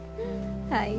はい。